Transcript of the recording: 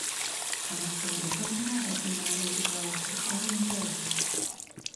Amasomero galina abavunaanyizibwako ab'enjawulo.